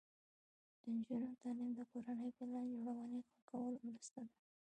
د نجونو تعلیم د کورنۍ پلان جوړونې ښه کولو مرسته ده.